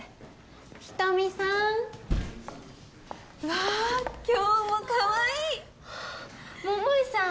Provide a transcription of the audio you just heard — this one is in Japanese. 人見さんうわー今日もかわいい桃井さん